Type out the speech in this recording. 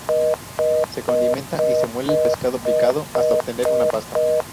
Se condimenta y se muele el pescado picado hasta obtener una pasta.